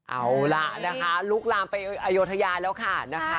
เอาล่ะนะคะลูกลามไปอยทยาแล้วค่ะ